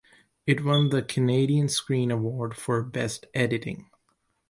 It won the Canadian Screen Award for Best Editing.